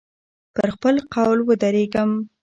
پر خپل قول ودرېږم.